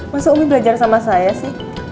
mas umi belajar sama saya sih